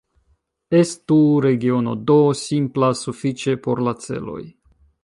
Estu regiono "D" simpla sufiĉe por la celoj.